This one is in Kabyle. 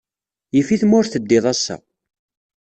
Yif-it ma ur teddiḍ ass-a.